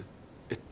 えっ？